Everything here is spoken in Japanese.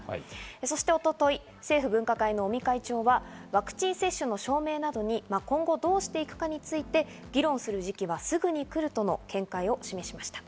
そして一昨日、政府分科会の尾身会長は、ワクチン接種の証明などに今後どうしていくかについて、議論する時期がすぐに来るとの見解を示しました。